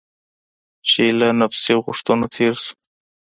چې له نفسي غوښتنو تېر شو.